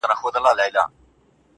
ياره د مُلا په قباله دې سمه_